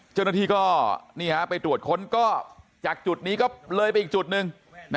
เจ้าหน้าที่ก็ไปตรวจค้นก็จากจุดนี้ก็เลยไปอีกจุดหนึ่ง